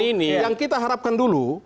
ini yang kita harapkan dulu